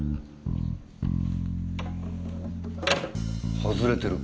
外れてる。